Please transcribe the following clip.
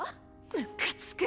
ムカつく！